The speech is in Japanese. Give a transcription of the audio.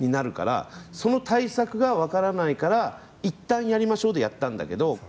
その対策が分からないからいったんやりましょうでやったんだけど。